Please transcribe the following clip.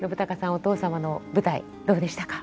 お父様の舞台どうでしたか？